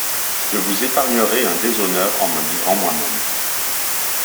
Je vous épargnerai un déshonneur en me livrant moi-même.